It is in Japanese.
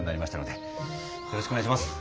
よろしくお願いします。